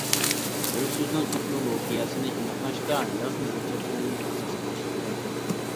بىر سۆزنىڭ ئېتىمولوگىيەسىنى ئېنىقلاشتا يازما ھۆججەتلەرنى ئاساس قىلىش كېرەك.